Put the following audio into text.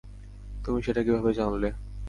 তুমি সেটা কীভাবে জানলে?